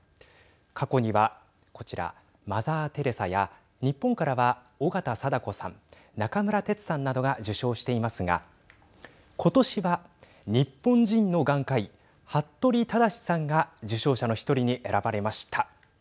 過去には、こちらマザー・テレサや日本からは緒方貞子さん中村哲さんなどが受賞していますが今年は日本人の眼科医、服部匡志さんが受賞者の１人に選ばれました。